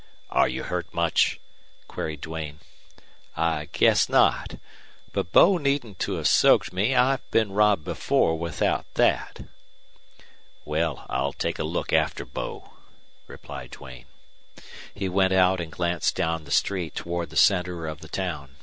"Are you hurt much?" queried Duane. "I guess not. But Bo needn't to have soaked me. I've been robbed before without that." "Well, I'll take a look after Bo," replied Duane. He went out and glanced down the street toward the center of the town.